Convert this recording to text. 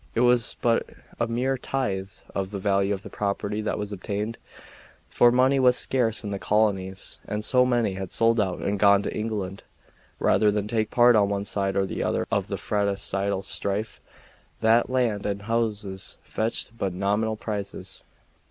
It was but a mere tithe of the value of the property that was obtained, for money was scarce in the colonies, and so many had sold out and gone to England, rather than take part on one side or the other of the fratricidal strife, that land and houses fetched but nominal prices.